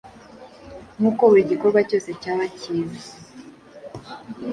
Nk’uko buri gikorwa cyose cyaba kiza